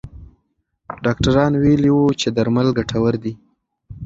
ډاکټران ویلي وو چې درمل ګټور دي.